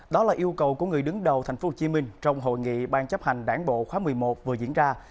đó là yêu cầu của người đứng đầu tp hcm trong hội nghị ban chấp hành đảng bộ khóa một mươi một vừa diễn ra